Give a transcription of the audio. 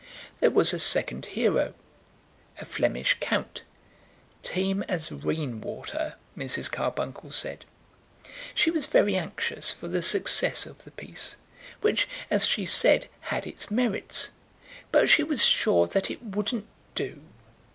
There was a second hero, a Flemish Count, tame as rain water, Mrs. Carbuncle said. She was very anxious for the success of the piece, which, as she said, had its merits; but she was sure that it wouldn't do.